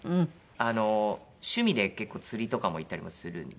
あの趣味で結構釣りとかも行ったりもするんで。